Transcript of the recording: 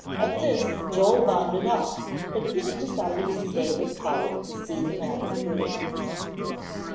At this Joel bounded off, but Pip decided to stay with Polly to see the matter through.